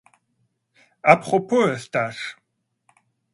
À propos, Eustache!